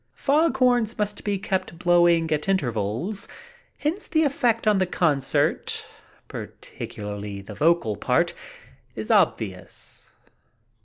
Fog horns must be kept blowing at intervals, hence the effect on the concert, particularly the vocal part, is obvious.